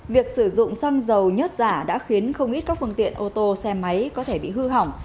việc sử dụng xăng dầu nhớt giả đã khiến không ít các phương tiện ô tô xe máy có thể bị hư hỏng